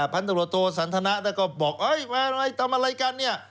พันธนโลโทสันธนาแล้วก็บอกทำอะไรกันเนี่ย